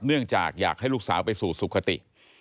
เนื่องจากอยากให้ลูกสาวไปสู่สุขติ